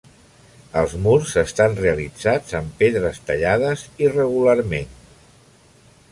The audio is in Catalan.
Els murs estan realitzats amb pedres tallades irregularment.